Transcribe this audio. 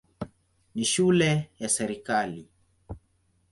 Ni shule ya serikali.